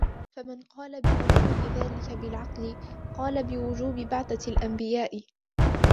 فَمَنْ قَالَ بِوُجُوبِ ذَلِكَ بِالْعَقْلِ ، قَالَ بِوُجُوبِ بَعْثَةِ الْأَنْبِيَاءِ